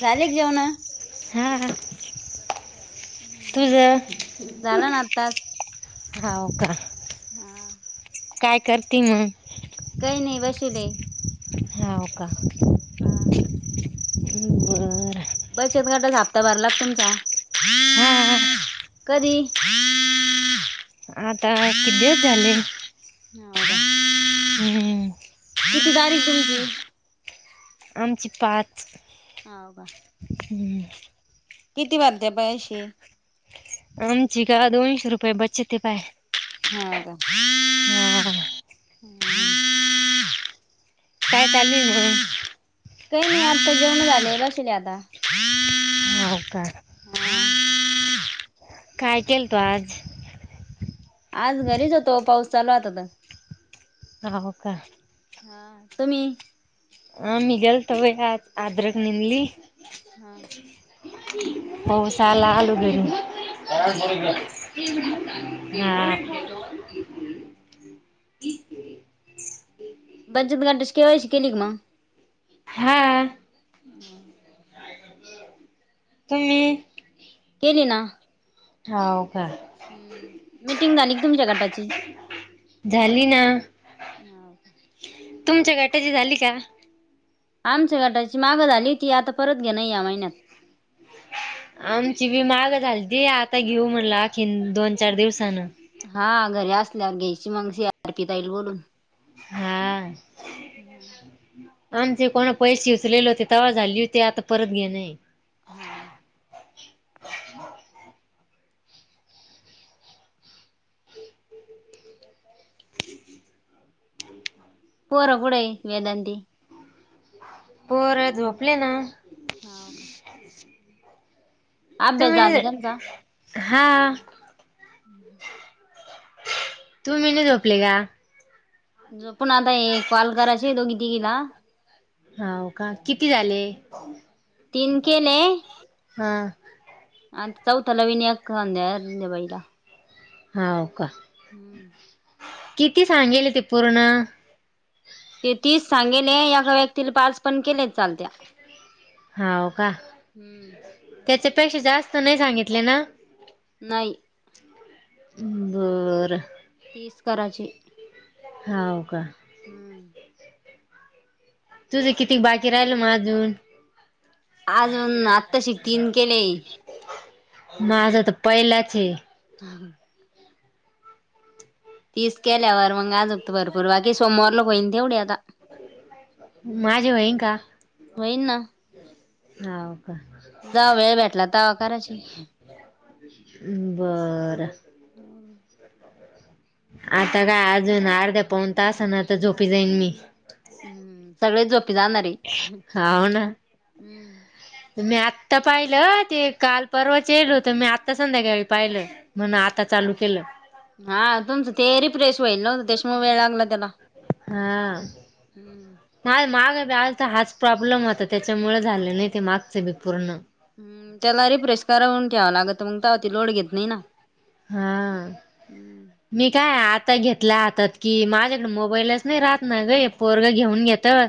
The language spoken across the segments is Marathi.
झाली क जेवण तुझ झाला ना आत्ताच. होाव का हा काय करते मग काही नाही बसेले. हाव का हा बर बचत गट हाप्ता भरलाच तुमचा हा कधी आता कद्याच झाले हो का? हम्म किती गारी त आमची पाच ह का ह किती वाज द्या प अशी आमची ग दोनशे रुपये बचत आहे पाय हा का ह हा काय चालूय मग काही नाही आता जेऊन झाले कसल्या आता हवका कायकेल टवाज आज घरीच होतो पाऊस चालू आता आता हव का हा तुम्ही ह मघल तव अद्रक निनली हा भौसाला आलू गड हाव का? ह हम्म पच घंटाच केवायची केली क म हा हम तुम्ही केली ना हा हम्म मीटिंग द आणि एकदमच्यागट झाली ना हो का तुमच्या गटाची झाली का आमच्या गटाची मागं झाली ती आता परत घेण या महिन्यात आमची बी माग झाली त आता घेऊ म्हटलं अखीन दोन चार दिवसान हा घरी असल्यावर घ्यायची मग सी आर पीताईल बोलून हा हम्म आमचे कोणा पैसे उचलेले होते तवा झाली होती आता परत घे नाही हा [unintelligible] पर कड वेदाांतीी पोर झोपले ना हा हो का अभ्यास झाला त्यांचा तुम्ही हा तू मी नाही झोपले का ज पण आता हे कॉल करायची दोघी तिघीला हो का किती झाले तीन हा आ चौथाला विनयक द्या अ्याबाईला होाव का हम्म किती सांगेल ते पूर्ण ते तीस सांगेले एका व्यक्तीला पाच पण केले चालत्या होा का हम्म. त्याच्या पेक्षा जास्त नाही सांगितले ना नाही बरं तीस कराचीचे हव का हम्म तुझं किती बाकी राहिल म अजून अजून आत्ताशी तीन केले. माझं तर पहिलंचे ह तीच केल्यावर मग आजगत भरपूर बाकी सोमवारला पहिन तेवढी आता माझे होईन का होईल ना हा जवा वेळ भेटला तेव्हा करायची बरं हम् आता काय अजून अर्ध्या पाऊन तासांनी आता झोपी जाईन मी हम्म सगळे झोपी जाणारे हम् हाव ना मी आता पाहिलं ते काल परवाच येलो तर मी आता संध्याकाळी पाहिलं म्हण आता चालू केलं हा तुमचं ते रीफ्रेश होईल न मग वेळ लागला त्याला हा हम् आता हाच प्रॉब्लेम होता त्याच्यामुळे झाले नाही ते मागचे बी पूर्ण त्याला रिफ्रेश करवून ठेवावं लागतं मग तेव्हा लोड घेत नाही ना हा हम्म मी काय आ आता घेतल्या हातात की माझ्याकडं मोबाईलच नाही राहत ना गं हे पोरगं घेऊन येतं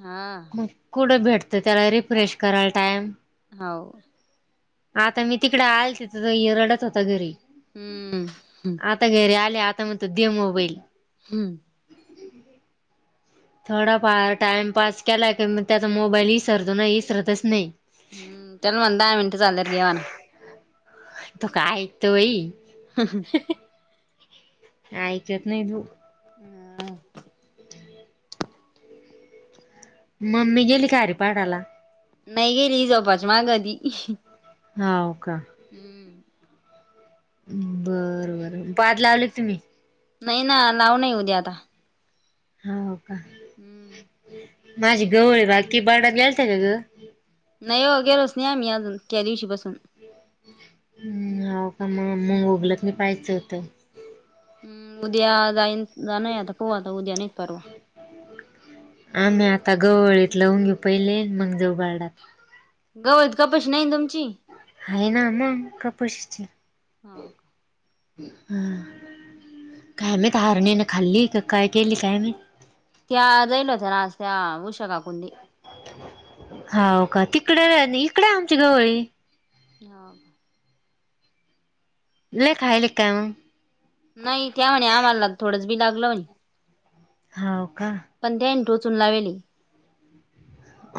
हा मग कुठं भेटतं त्याला रिफ्रेश करायला टाइम हो आता मी तिकडे आलते तर हा रडत होता घरी हम्म ह् आता घरी आले आता म्हणतो दे मोबाईल हम्म थोडा फार टाइम पास केलाय कि मग त्याचा मोबाईल विसरतो ना विसरतच नाही हम्म चल म दहा मिनिटं झाल्यावर घे म्हण तो काय ऐकतो होय हम ह ऐकत नाही तू हम् मम्मी गेली खारीपाडाला नाही गेली हं जपाची मागधी हा हम्म बरं बरं पाड लावले तुम्ही? नाही ना, लावण आहे उद्या आता. हो का. हम्म. माझी गवू आहे बाकी [unintelligible] गेलंत का गं? नाही हो गेलोच नाही आम्ही अजून. त्या दिवशी पासून. हा हो का मग, मग उगलत की पाहायचं होतं. हू उद्या जाईन जाण आहे, आता उद्या नाही परवा आम्ही आता गवळीत लावून घेऊ पहिले, मग जाऊ बारडात. गवत, कपश नाही तुम हाये ना मगं कपशीची हो का. हम. काय माहित हारिणी ने खाल्ली का काय केली, काय माहित. त्या जाईल होत्या ना आज त्या, उषा काकूंनी हाव का तिकडं, इकडं हाय आमची गवळी. हा. ल‌य खायलेत काय मगं? नाही त्या म्हणे, आम्हाला थोडंच बी लागल होय. हा. पण त्यान टोचून लावेली.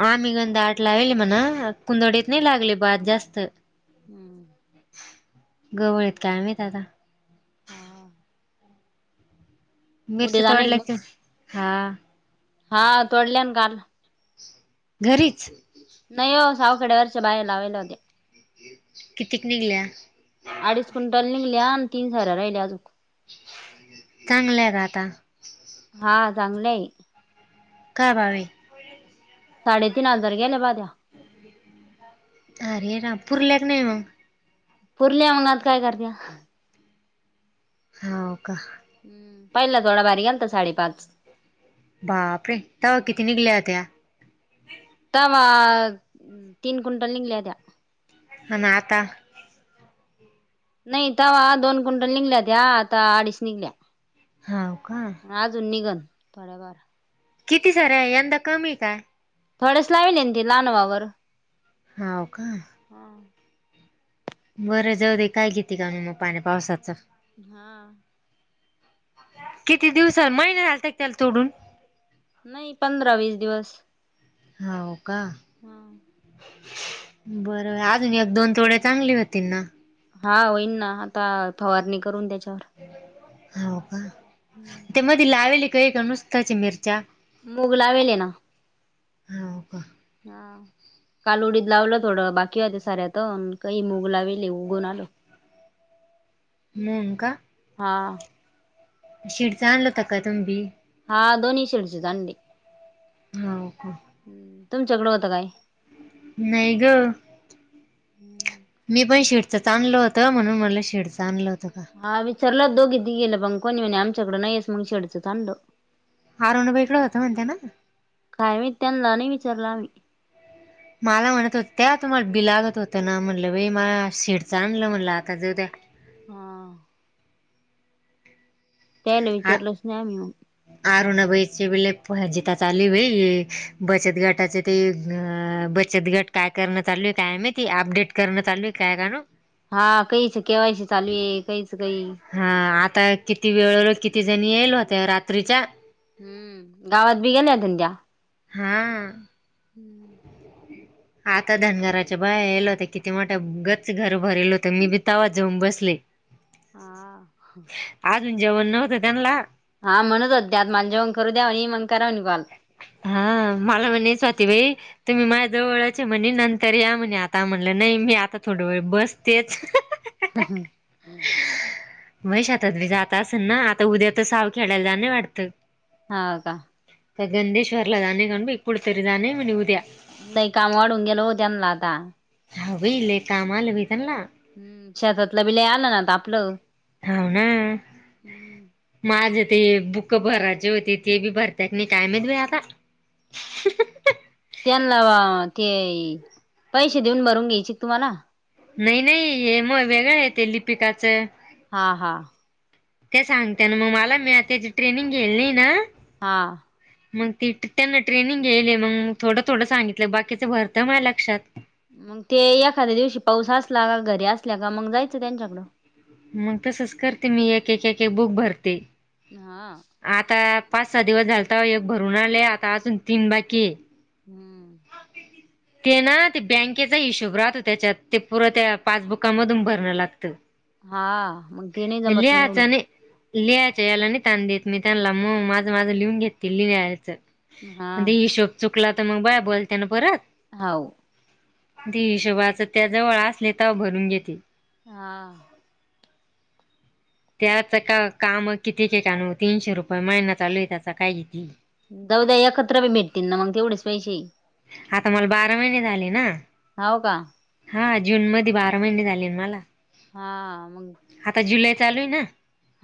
आम्ही गंध आट लावली म्हणा, कुंदडीत नाही लागली भात जास्त हम्म. गवळेत कायमाहित आता हा. मिरची उद्या जाणं आहे का मग तोडीलेचे हा. हा, तोडल्यान काल. घरीच. नाही हो, सावखडे्या वरच्या बाहेर लावयला होत्या. कितीक निघल्या? अडीच क्विंटल निघल्या आणि तीन साऱ्या राहिल्या अजूक. चांगला हाय राता. हा चांगलं आहे. का बावे? साडेतीन हजार गेल्या पाद्या. अरे [unintelligible] ना पुूरल्या की नाही म पुरल्या. मंग आता काय करत्या? हो का. हम्म. पहिला थोडा भारी गेलता, साडेपाच. बाप रे! तवा किती निघल्या होत्या? तवा तीन क्विंटल निगल्या होत्या. आन आता नाही तवा दोन कुंटल निघल्या होत्या, आता अडीच निघल्या. हा. अजून निघलं, थोड्याबार. किती सार, यंदा कमी काय? थोडेस लावीले ती लानवावर. हाव का. बरं जाऊ दे, काय घेती [unintelligible] मग पाणी पावसाचं. हा. किती दिवसा, महिने, झालत एक त्याला तोडून. नाही पंधरा वीस दिवस हा का हम बर अजून एक दोन थोडे चांगले होतील ना हा होईन ना आता फवारणी करून त्याच्यावर हो का त्या मध लावेली काही का नुसत्याची मिरच्या मुगला वेले ना हा का हां काल उडीत लावलं थोडं बाकी होते साऱ्यात काही मुग ला वले उघून आलो [inaudible] हनका हा शिडच आणलता का तुम्ही ह धोनी शडीच तडी हो का हम् तुमच्याकडें होतं काय नाही ग मी पण शिर आणलं होतं म्हणून मला शेडं आणलं होतं. का हा विचारला दोघी गेलं पण कोणी म्हणे आमच्याकडं नाहीयस मग शेडचं ांड आरवणबाईकड होतं म्हणते ना. काय म त्यांना नाही विचारलं आम्ही मला म्हणत होत त्या तुम्हाला बि लागत होतं ना म्हटलं बाई मला शिडचं आणलं म्हटलं आता जद्या. हा. त्याला विचारलं अस नाही मिऊून अरुणाबाईचेजिता चाले भाई बचत गाटाचे ते अ बचत गट काय करण्यात आलू आहे काय मती अपडेट करण्यात चालू आहे काय काण. हा कयच केवायस चालूय कयच काय. हा आता किती वेळ किती जणी येईल होत्या रात्रीच्या. हम्म गावात बी गेल्या धंद्या. हा आता धनगराच्या बाहया आल होत किती मोठ्याच घर भरेल होतं मी बी तवा जाऊन बसले ह अजून जेवण नव्हतं त्यांना. हा म्हणत होत त्यात माला जेवण करू द्याव आणि मण कराव नि कल. हा मला म्हणे स्वाती भाई तुम्ही माझ्या जवळचे म्हणे नंतर या म्हणे आता म्हणलं नाही. मी आता थोड वेळ बसतेच. ह मग श आ जात असेन ना आता उद्या तर साव खेळायला जा नाही वाटतं ह का. गंदश्वरला दने कणप इकड तरीदाा नाही मी उद्याया नाही काम वाढून गेल होतना आता. हवीले कामाल भ त्यांला. हम्म शेतातलं बिला आलं नाता आपलं. हवना. हम्म. माझ ते बुक भरायचे होते ते बी भरत्याकनी कायमेवे आता [unintelligible] त्यांना ते पैसे देऊन भरून घ्यायचे तुम्हाला. नाही नाही हे मग वेगळ येत लिपिकाचं. हा हा. ते सांगते ना मग मला मी त्याची ट्रेनिंग घेली नाही ना हा. मग ती त्यांना ट्रेनिंग घेले मग थोडं थोडं सांगितलं बाकीचं भर तर माझ लक्षात. मग ते एखाद्या दिवशी पाऊस असला का घरी असल्या का मग जायचं त्यांच्याकडं. मग तसच करते मी एक एक एक बुक भरते. हा आता पाच सहा दिवस झाल तर एक भरून आले आता अजून तीन बाकी. हम्म. ते ना ते बँकेचा हिशोब राहत हो त्याच्यात ते पुरं त्या पासबुकामधून भरणं लागतं. हा मग तने जमत नाही. लिहायचं याला नाही ताण देत मी त्यांना मग माझं माझं लिहून घेते लिहायचं म्हण हा. ते हिशोब चुकला तर मग बाय बोलते ना परत. हो ती हिशोबाचं त्या जवळ असले तेव भरून घेते हा. त्याच का काम कितीक कान तीनशे रुपये महिनातचालू आहे त्याचा काय किती. जाऊ द्या एकत्र बी भेटतील ना मग तेवढेच पैसे आता मला बारा महिने झाले ना हव का हा जून मध्ये बारा महिने झाले मला हा म चालूय ना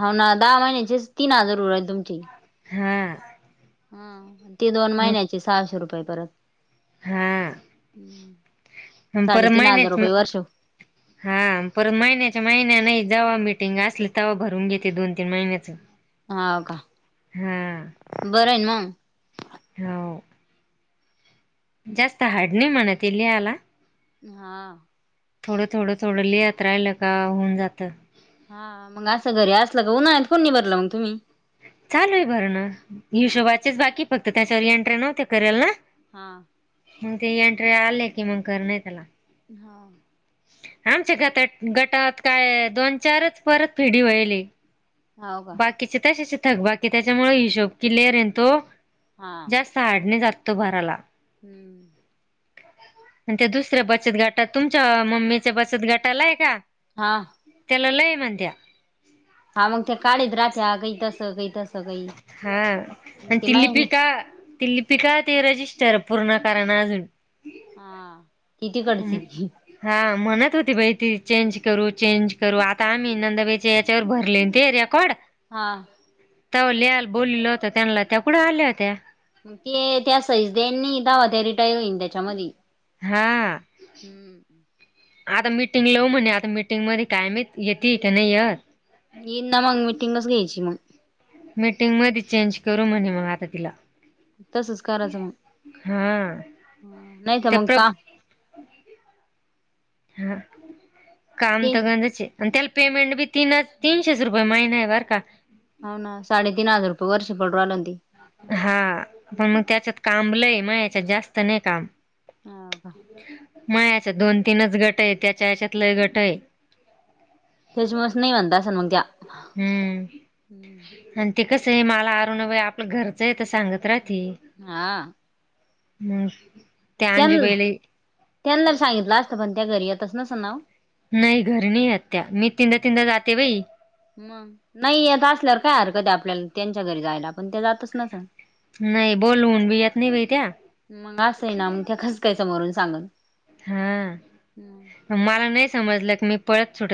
हा ना दहा महिन्याचे तीन हजार उरल तुमची हां हम ती दोन महिन्याची सहाशे रुपये परत ह् पर महिनेच हा पर महिनेच महिना नाही जेव्हा मटिंग असली तेव्हा भरून घेते दोन तीन महिन्याच होा का हा बरं आहेन मग हो जास्त हाड नाही म्हणत लिहाला हा थोडं थोडं थोडं लियात राहिलं का होऊन जातं हा मग असं घरी असलं का उन्हाळत फोन नि भरलं मग तुम्ही चालू आहे बर ना हाव हिशोबाचेच बाकी फक्त त्याच्यावर एंट्री नव्हते करेल ना हा मग ते एंट्री आले की मग कर नाही त्याला हा आमच्या गटात गटात काय दोन चारच परत फिढी व्हायली हाव का बाकीचे तशाचे थक बाकी त्याच्यामुळे हिशोब किलेअर आहेन तो हा. जास्त हाडने जात तो भराला हम्म आणि ते दुसऱ्या बचत घाटात तुमच्या मम्मीच्या बचत घाटालाय का हा त्यालाला हे मत हा मग त्या काढच राहत्या काही तस काही तस काही हा मग आणि ते ति माहीत नाही लिपिका तिल्लीिपिका ते रजिस्टर पूर्ण कारण अजून हा ती तिकडची हा म्हण होती बाई ती चेंज करू चेंज करू आता आम्ही नंदबाईचे याच्यावर भरले ते रेकॉर्ड हा त्या लिहाल बोललं होत त्यांना त्या कुढे आल्या होत्या मग ते त्या सईजदनी दवा त्या र य इ चमती हा हम् आता मीटिंग लावू म्हणे आता मिटिंग मध्ये कायम येत का नाही य ह ना मग मिीटिंग बस घ्यायची मग मीटिंग मध्ये चेंज करू म्हणे मग आता तिला तसस्काराचं मग हा. ह नाही तर त्या मग प्र का हा काम ते तर हो गच आणि त्याला पेमेंट बी तीन तीनशे रुपये महिना आहे बर का हो ना साडे तीन हजार रुपये वर्ष पड राहिली हा पण मग त्याच्यात काबलंय मग याच्यात जास्त नाही काम हाव का मय अ दोन तीनच गट आहे त्याच्या याच्यातलं गट आहे त्याच्यामुळे नाही म्हणता अस मग त्या हम्म आणि ते कस आहे मला अरुण व आपलं घरचं आहे तर सांगत राह हा म त्यां त्यांना सांगितलं असतं पण त्या घरी येतच नसं नाव नाही घर नाही आत्या मी तीनदा तीनदा जाते बाई म नाही यता असल्यावर काय हरकत आपल्याला त्यांच्या घरी जायला पण ते जातच न स नाही बोलवून बी येत नाही बाई त्या मग असं आहे नाख कस काय समोरून सांगून हा मला नाही समजलं की मी पळत सुटत